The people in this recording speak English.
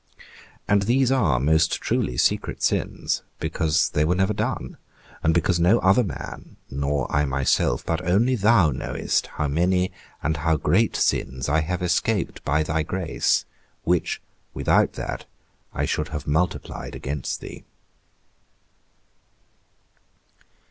And these are most truly secret sins, because they were never done, and because no other man, nor I myself, but only thou knowest, how many and how great sins I have escaped by thy grace, which, without that, I should have multiplied against thee.